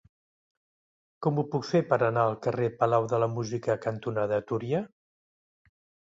Com ho puc fer per anar al carrer Palau de la Música cantonada Túria?